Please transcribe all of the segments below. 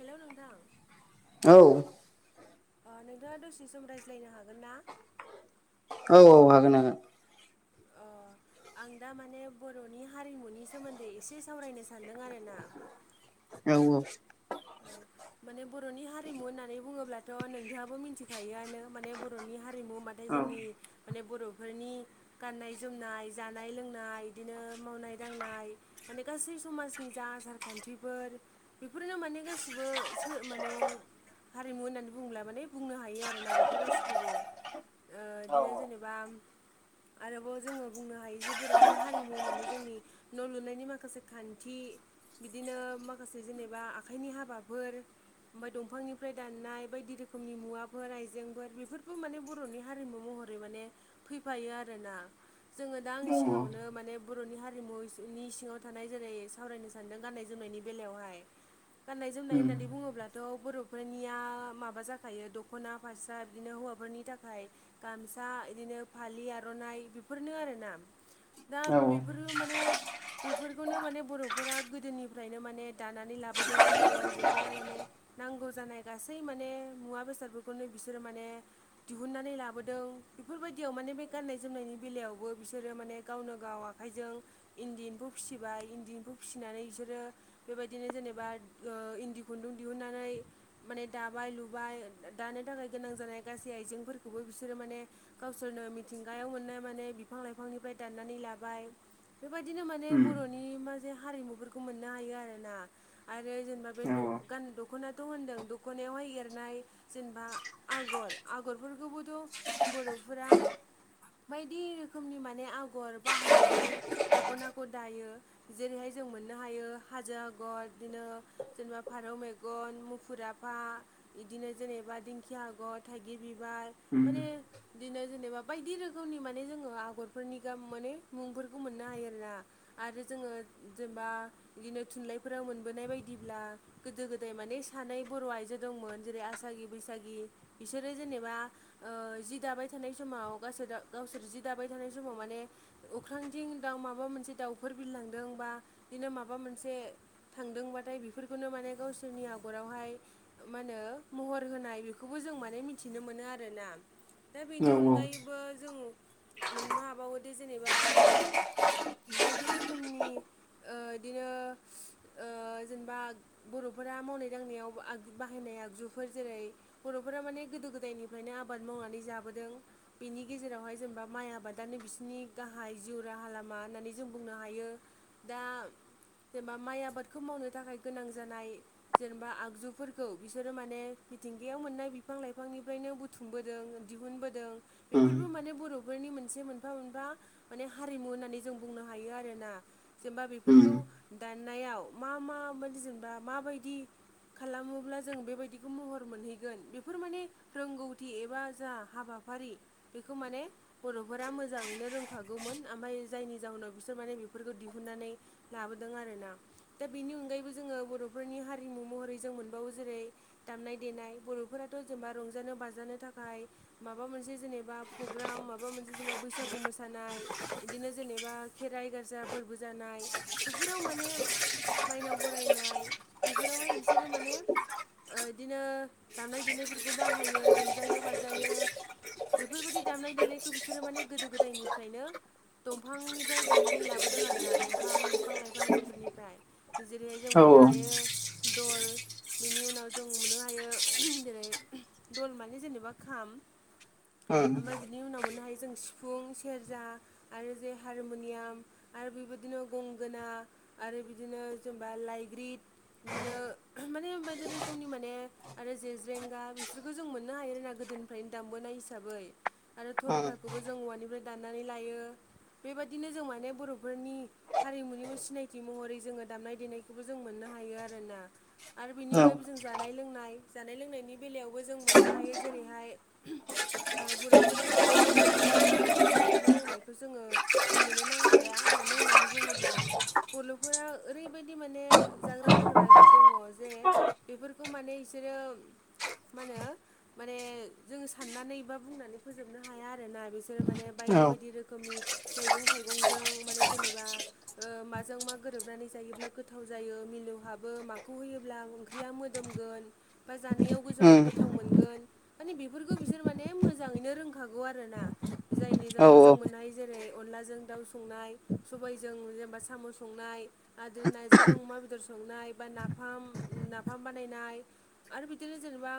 हेल' नोंथां। औ अ नोंथाङा दसे सम रायज्लायनो हागोन ना? औ औ हागोन हागोन। अ आं दा माने बर'नि हारिमुनि सोमोन्दै एसे सावरायनो सान्दों आरो ना? औ। [inaudible] माने बर'नि हारिमु होननानै बुङोब्लाथ' नोंथहाबो मिथिखायोआनो माने बर'नि हारिमु माथो। नाथाय जोंनि माने बर'फोरनि गाननाय जोमनाय जानाय लोंनाय बिदिनो मावनाय दांनाय माने गासै समाजनि जा आसारखान्थिफोर बेफोरनो माने गासिबो माने हारिमु होननानै बुंुला माने बुंनो हायो आरोना बेफोर गासिखौबो बिदिनो जेनेबा आरोबाव जोङो बुंनो हायो जे बर'नि हारिमु होननानै जोंनि न' लुनायनि माखासे खान्थि बिदिनो माखासे जेनेबा आखाइनि हाबाफोर ओमफ्राय दंफांनिफ्राय दाननाय बायदि रोखोमनि मुवाफोर आइजेंफोर बेफोरबो माने बर'नि हारिमु महर रै माने फैफायो आरोना जोङो दा आंनि सिगाङावनो माने बर'नि हारिमुनि सिङाव थानाय जेरै सावरायनो सानदों गाननाय जोमनायनि बेलायावहाय गाननाय उम जोमनाय होननानै बुङोब्ला थ' बर'फोरनिया माबा जाखायो दख'ना फारसा बिदिनो हौवाफोरनि थाखाय गामसा बिदिनो फालि आर'नाइ बेफोरनो आर ना दा औ बेफोरबो माने बेफोरखौनो माने बर'फोरा गोदोनिफ्रायनो माने दानानै लाबोदों बर' आइजोफोरा माने नांगौ जानाय गासै माने मुवा बेसादफोरखौनो बिसोरो माने दिहुननानै लाबोदों बेफोरबायदियाव माने बे गाननाय जोमनायनि बेलायावबो बिसोरो माने गावनो गाव आखाइजों इन्दि एम्फौ फिसिबाय इन्दि एम्फौ फिसिनानै बिसोरो बेबायदिनो जेनेबा इन्दि खुन्दुं दिहुननानै माने दाबाय लुबाय दानो थाखाय गोनां जानाय गासै आइजेंफोरखौबो बिसोरो माने गावसोरनो मिथिंगायाव मोननाय माने बिफां लाइफांनिफ्राय दाननानै लाबाय बेबायदिनो माने उम बर'नि मासे हारिमुफोरखौ मोननो हायो आरोना आरो जेनेबा बे औ गान दख'नाथ' होनदों दखनायावहाय एरनाय जेनेबा आगर आगरफोरखौबोथ' बर'फोरा बायदि रोखोमनि माने आगर बाहायनानै दख'नाखौ दायो जेरैहाय जों मोननो हायो हाजो आगर बिदिनो जेनेबा फारौ मेगन मुफुर आफा बिदिनो जेनेबा दिंखिया हगर थाइगिर बिबार माने बिदिनो जेनेबा बायदि रोखोमनि माने जोङो आगरफोरनि गाब माने मुंफोरखौ मोननो हायो आरोना आरो जोङो जेनेबा बिदिनो थुनलाइफोराव मोन बोनाय बायदिब्ला गोदो गोदाय माने सानै बर' आइजो दंमोन जेरै आसागि बैसागि बिसोरो जेनेबा जि दाबाय थानाय समाव गावसोर गावसोर जि दाबाय थानाय समाव माने अख्रांजोंं दाउ माबा मोनसे दाउफोर बिरलांदों बा बिदिनो माबा मोनसे थांदोंबाथाय बेफोरखौनो माने गावसोरनि आगरावहाय मा होनो महर होनाय बेखौबो जों माने मिथिनो मोनो आरोना दा बेनि अनगायैबो जों मोननो हाबावोदि जेनेबा बायदि रोखोमनि बिदिनो जेनेबा बर'फोरा मावनाय दांनायाव आग बाहायनाय आगजुफोर जेरै बर'फोरा माने गोदो गोदायनिफ्रायनो आबाद मावनानै जाबोदों बेनि गेजेरावहाय जेनेबा माइ आबादानो बिसोरनि गाहाय जिउ राहा लामा होननानै जों बुंनो हायो दा जेनेबा माइ आबादखौ मावनो थाखाय गोनां जानाय जेनेबा आगजुफोरखौ बिसोरो माने मिथिंगायाव मोननाय बिफां लाइफांनिफ्रायनो बुथुमबोदों दिहुनबोदों बेफोरबो माने बर' बेनि मोनसे मोनफा मोनफा माने हारिमु होननानै जों बुंनो हायो आरोना जेनेबा बेफोरखौ दाननायाव मा मा मान जेनेबा माबायदि खालामोब्ला जों बेबायदिखौ महर मोनहैगोन बेफोर माने रोंगौथि एबा जा हाबाफारि बेखौ माने बर'फोरा मोजाङैनो रोंखागौमोन ओमफ्राय जायनि जाउनाव बिसोर माने बेफोरखौ दिहुननानै लाबोदों आरो ना दा बेनि अनगायैबो जोङो बर'फोरनि हारिमु महरै जों मोनबावो जेरै दामनाय देनाय बर'फोराथ' जेनेबा रंजानो बाजानो थाखाय माबा मोनसे जेनेबा प्रग्राम माबा मोनसे जेनेबा बैसागु मोसानाय बिदिनो जेनेबा खेराइ गजा फोरबो जानाय बेफोराव माने माइनाव बरायनाय बेफोरावहाय बिसोरो माने इदिनो दामनाय देनायफोरखौ बाहायो रंजायो बाजायो बेफोरबायदि दामनाय देनायखौ बिसोरो माने गोदो गोदायनिफ्रायनो दंफांनिफ्राय दाननानै लाबोदों आरो ना दंफां बिफां लाइफां बेफोरनिफ्राय जेरैहाय जों मोननो हायो दल बेनि उनाव जों मोननो हायो जेरै दल माने जेनेबा खाम ओमफाय बिनि उनाव मोननो हायो जों सिफुं सेरजा आरो जे हारमुनियाम आरो बेबायदिनो गंगोना आरो बिदिनो जेनबा लाइग्रिद बिदिनो माने बायदि रोखोमनि माने आरो जेेजेंगा बिसोरखौ जों मोननो हायो आरोना गोदोनिफ्रायनो दामबोनाय हिसाबै आरो थरखाखौबो जों औवानिफ्राय दाननानै लायो बेबादिनो जों माने बर'फोरनि हारिमुनि सिनायथि महरै जोङो दामनाय देनायखौबो जों मोननो हायो आरो ना आरो बेनि अनगायैबो जों जानाय लोंनाय जानाय लोंनायनि बेलायावबो जों मोननो हायो जेरैहाय ओ बर'फोरा जानाय लोंनाय होनबाथ' बर'फोरनि जानाय लोंनायखौ जोङो बुंनोनो नांखाया मानो होननानै बुङोब्ला बल'फोरा ओरैबायदि माने जाग्रा लोंग्रा दङ जे बेफोरखौ माने बिसोरो मा होनो माने जोङो साननानै बा बुंनानै फोजोबनो हाया आरोना बिसोरो माने बायदि बायदि रोखोमनि मैगं थाइगंजों माने जेनेबा माजों ओ मा गोरोबनानै जा जायोब्ला गोथाव जायो मिलौहाबो माखौ होयोब्ला ओंख्रिया मोदोमगोन बा जानायाव गोजाव गोथाव मोनगोन माने बेफोरखौ बिसोर माने मोजाङैनो रोंखागौ आरो ना जायनि औ जाउनाव जों मोननाय जेरै अनलाजों दाउ संनाय सबायजों जेनेबा साम' संनाय आदो नारजिजों अमा बेदर संनाय बा नाफाम नाफाम बानायनाय आरो बिदिनो जेनेबा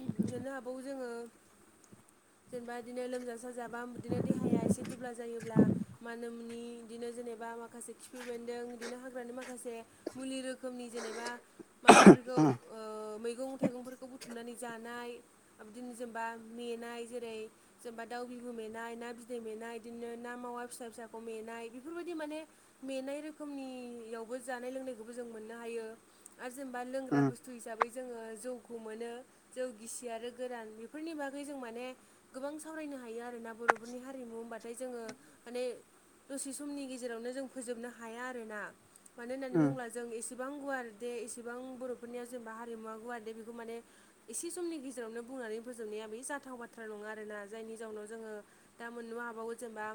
मोननो हाबावो जोङो जेनेबा बिदिनो लोमजा साजाबा बिदिनो देहाया एसे दुब्ला जायोब्ला मा होनोम मनि बिदिनो जेनेबा माखासे खिफि बेन्दों बिदिनो हा हाग्रा माखासे मुलि रोखोमनि जेनेबा माबाफोरखौ उम ओ मैगं थाइगंफोरखौ बुथुमनानै जानाय बिदिनो जेनेबा मेनाय जेरै जेनेबा दाउ बिबु मेनाय ना बिदै मेनाय बिदिनो ना मावा फिसा फिसाखौ मेनाय बेफोरबायदि माने मेनाय रोखोमनियावबो जानाय लोंनायखौबो जों मोननो हायो आरो जेनेबा लोंग्रा उम बुस्थु हिसाबै जोङो जौखौ मोनो जौ गिसि आरो गोरान बेफोरनि बागै जों माने गोबां सावरायनो हायो आरोना बर'फोरनि हारिमु होनबाथाय जोङो माने दसे समनि गेजेरावनो जों फोजोबनो हाया आरो ना मानो होननानै उम बुङोब्ला जों इसेबां गुवार दे एसेबां बर'फोरनिया जेनेबा हारिमुवा गुवार दे बेखौ माने एसे समनि गेजेरावनो बुंनानै फोजोबनाया बे जाथाव बाथ्रा नङा आरोना जायनि जाउनाव जोङो दा मोननोबो हाबावगौ जेनेबा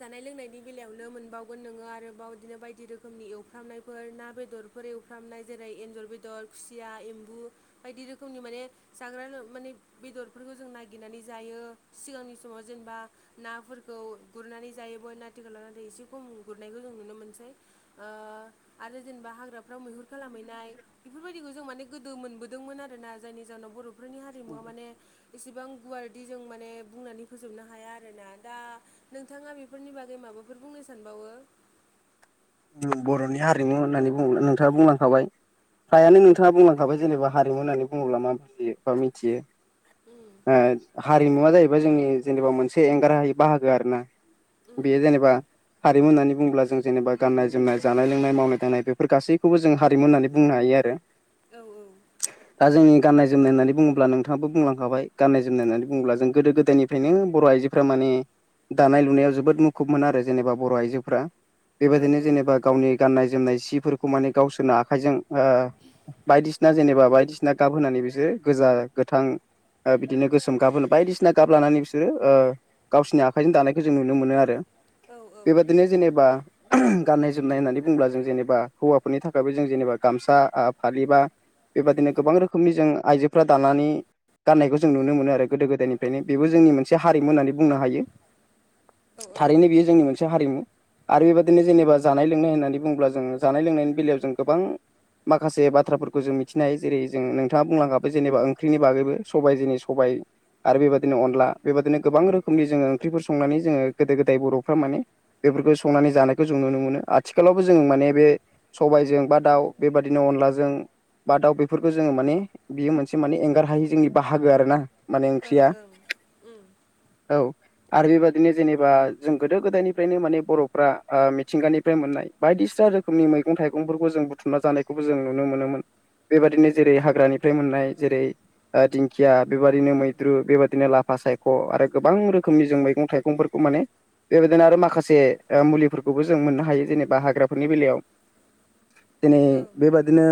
जानाय लोंनायनि बेलायावनो मोनबावगोन नोङो आरोबाव बिदिनो बाय दि रोखोमनि एवफ्रामनायफोर ना बेदरफोर एवफ्रामनाय जेरै एन्जर बेदर खुसिया एम्बु बायदि रोखोमनि माने जाग्रा माने बेदरफोरखौ जों नाय गिरनानै जायो सिगांनि समाव जेनेबा नाफोरखौ गुरनानै जायोमोन ना आथिखालाव नाथाय एसे खम गुरनायखौ जों नुनो मोनसै ओ आरो जेनेबा हाग्राफ्राव मैहुर खालामहैनाय बेफोरबायदिखौ जों माने गोदो मोनबोदोंमोन आरोना जायनि जाहोनाव बर'फोरनि हारिमुवा माने इसेबां गुवारदि जों माने बुंनानै फोजोबनो हाया आरोना दा नोंथाङा बेफोरनि बागै माबाफोर बुंनो सानबावो बर'नि हारिमु होननानै नोंथाङा बुंलांखाबाय उम फ्रायानो नों थाङा बुंलांखाबाय जेनेबा हारिमु होननानै बुङोब्ला मा बुजि बा मिथियो उम हारिमुवा जाहैबाय जोंनि जेनेबा मोनसे एंगार हाय बाहागो आरो ना उम बेयो जेनेबा हारिमु होननानै बुंङोब्ला जों जेनेबा गाननाय जोमनाय जानाय लोंनाय मावनाय दांनाय बेफोर गासैखौबो जों हारिमु होननानै बुंनो हायो आरो। औ औ। दा जोंनि गाननाय जोमनायनानैुङ्ला नोंाङाबो बुंलांखाबाय गाननाय जोमनाय होननानै बुङोब्ला जों गोदो गोदायनिफ्रायनो बर' आइजो फोर्रा माने दानाय लुनायाव जोबोद मुखुब मोनो आरो जेनेबा बर' आइजोफ्रा। औ बेबायदिनो जेनेबा गावनि गाननाय जोमनाय सिफोरखौ माने गावसोरनो आखाइजों बायदिसिना जेनेबा बायदिसिना गाब होनानै बिसोरो गोजा गोथां। बिदिनो गोसोम गाब होनो बायदिसिना गाब लानानै बिसोरो। गावसिोरनि आखाइजों दानायखौ जों नुनो मोनो आरो औ बेबादिनो जेनेबा गाननाय जोमनाय होननानै बुोब्ला जों जेनेबा हौवाफोरनि थाखायबो जों जेनेबा गामसा फालिबा। बेबादिनो गोबां रोखोमनि जों आइजोफ्रा दानानै गाननायखौ जों नुनो मोनो आरो गोदो गोदायनिफ्रायनो बेबो जोंनि मोनसे हारिमु होननानै बुंनो हायो। थारैनो बेयो जोंनि मोनसे हारिमु आरो बेबादि बिदिनो जेनेबा जानाय लोंनाय होननानै बुंङोब्ला जों जानाय लोंनायनि बेलायाव जों गोबां माखासे बाथ्राफोरखौ जों मिथिनायायो जेरै जों नोंथाङा बुंलांङाबो जेनेबा ओंख्रिनि बागैबो सबाय जोंनि सबाय आरो बेबायदिनो अनला बेबायदिनो गोबां रोखोमनि जोङो ओंख्रिफोर संनानै जोङो गोदो गोदाय बर'फ्रा माने बेफोरखौ संनानै जानाय जों नुनो मोनो आथिखालावबो जों माने बे सबायजों बा दाउ बेबादिनो अनलाजों। बा दाउ बेफोरखौ जोङो माने बियो मोनसे माने एंगार हायि जोंनि बाहागो आरो ना? माने औ ओंख्रिया औ आरो बेबादिनो जेनेबा जों गोदो गोदायनिफ्रायनो माने बर'फ्रा। मिथिंगानिफ्राय मोननाय बायदिसिना रोखोमनि मैगं थाइगंफोरखौ जों बुथुमना जानायखौबो जों नुनो मोनोमोन। बेबादिनो जेरै हाग्रानिफ्राय मोननाय जेरै दिंखिया बेबाददिनो मैद्रु बेबदिनो लाफा सायख' आरो गोबां रोखोमनि जों मैगं थाइगंफोरखौ माने बेबायदिनो आरो माखासे मुलि खौबो जों मोननो हायो जेनेबा हाग्राफोरनि बेलायाव दिनै बेबादिनो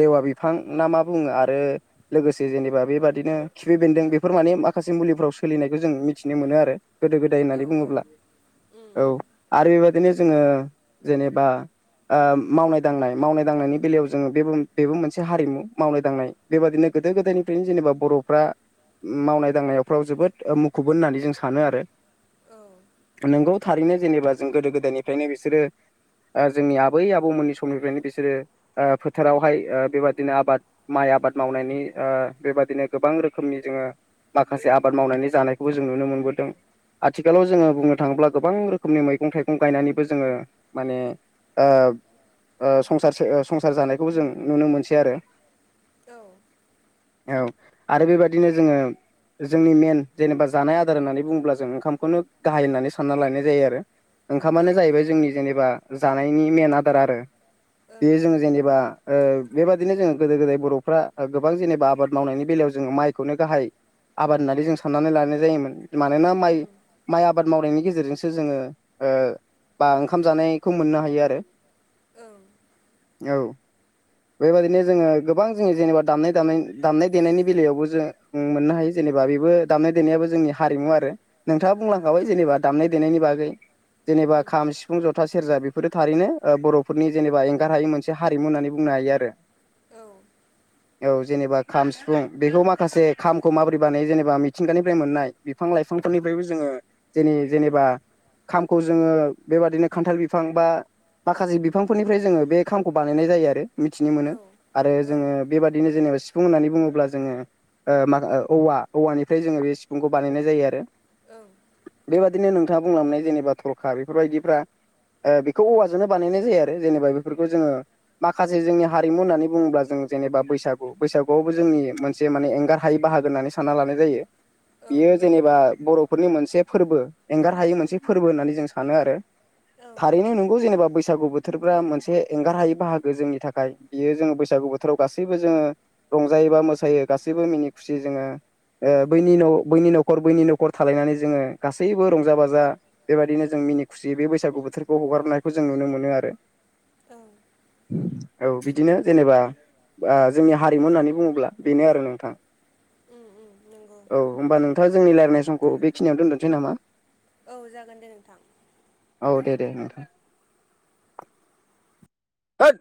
लेवा बिफां ना मा बुङो आरो लोगोसे जेनेबा बेबादिनो खिफि बेन्दों बेफोर माने माखासे मुलिफ्राव सोलिनायखौ जों मिथिनो मोनो आरो। गोदो गोदाय औ होननानै औ बुङोब्ला ओं औ उम आरो बेबायदिनो जोङो जेनेबा। मावनाय दांनाय मावनाय दांनायनि बेलायाव जोङो बेबो बेबो मोनसे हारिमु मावनाय दांनाय। बेबादिनो गोदो गोदायनिफ्रायनो जेनेबा बर'फ्रा मावनाय दांनायफ्राव जोबोद मुखुबबो होननानै जों सानो आरो। ओं नोंगौ थारैनो जेनेबा जों गोदो गोदायनिफ्रायनो बिसोरो जोंनि आबै आबौमोननि समनिफ्रायनो बिसोरो फोथारावहाय बेबादिनो आबाद माइ आबाद मावनायनि बेबादिनो गोबां रोखोमनि जोङो माखासे आबाद मावनानै जानायखौबो जों नुनो मोनबोदों आथिखालाव जोङो बुंनो थाङोब्ला गोबां रोखोमनि मैगं थाइगं। फं गायनानैबो जोङो माने संसारो संसार जानायखौबो जों नुनो मोनसै आरो औ औ आरो बेबायादिनो जोङो। जोंनि मेन जेनेबा जानाय आदार होननानै बुङोब्ला जों ओंखामखौनो गाहाय होननानै सानना लायनाय जायो आरो। ओंखामानो उम जाहैबाय जोंनि जेनेबा जानायनि मेन आदार आरो उम औ ओं बे जों जेनेबा। बेबादिनो जोङो गोदो गोदाय बर'फ्रा गोबां जेनेबा आबाद मावनायनि बेलायाव जोङो माइखौनो गाहाय आबाद होननानै जों साननानै लानाय जायोमोन मानोना माइ उम माइ आबाद मावनायनि गेजेरजोंसो जोङो बा ओंखाम जानायखौ मोननो हायो आरो ओं। औ। बेबायदिनो जोङो गोबां जोङो जेनेबा दामनाय द दामनाय देनायनि बेलायावबो जो मोननो हायो जेनेबा बेबो दामनाय देनायाबो जोंनि हारिमु आरो नोंथाङा बुंलांखाबाय जेनेबा दामनाय देनायनि बागै जेनेबा उम खाम सिफुं जथा सेरजा बेफोरो थारैनो बर'फोरनि जेनेबा एंगार हायै मोनसे हारिमु होननानै बुंनो हायो आरो औ औ जेनेबा खाम सिफुं बेखौ माखासे खामखौ माबोरै बानाय जेनेबा मिथिंगानिफ्राय मोननाय बिफां लाइफांफोरनिफ्रायबो जोङो जेननि जेनेबा खामखौ जोङो बेबादिनो खान्थाल बिफां बा माखासे बिफांफोरनिफ्राय जोङो बे खामखौ बानायनाय जायो आरो मिथिनो मोनो आरो औ जोङो औ बेबादिनो जेनेबा सिफुं होननानै बुङोब्ला जोङो माखा औवा औवानिफ्राय जोङो बे सिफुंखौ बानायनाय जायो आरो औ बेबायादिनो नोंथाङा बुंलांनाय जेनेबा थरखा बेफोरबायदिफ्रा बेखौ औवाजोंनो बानायनाय जायो आरो जेनेबा बेफोरखौ जोङो माखासे जोंनि हारिमु होननानै बुङोब्ला जों जेनेबा बैसागु बैसागुआवबो जोंनि मोनसे माने एंगार हायै बाहागो होन्नानै सानो साना लानाय जायो औ बियो ओं जेनेबा बर'फोरनि मोनसे फोरबो एंगार हायै मोनसे फोरबो होननानै जों सानो आरो थारैनो ओं नंगौ जेनेबा बैसागु बोथोरफा मोनसे एंगार हायै बाहागो गोजोंनि थाखाय बियो जोङो बैसागु बोथोराव गासैबो जोङो रंजायो बा मोसायो गासैबो मिनि खुसि जोङो बैनि बैनि न'खर बैनि न'खर थालायनानै जोङो गासैबो रंजा बाजा बेबायदिनो जों मिनि खुसिय बे बैसागु बोथोरखौ हगारनायखौ जों नुनो मोनो आरो ओं औ बिदिनो जेनेबा जोंनि हारिमु होननानै बुङोब्ला बेनो आरो नोंथां नंगौ औ होमबा नोंथाङा जोंनि रायज्लायनाय समखौ बेखिनियाव दोनथनोसै नामा औ जागोन दे नोंथां औ दे दे नोंथां थोद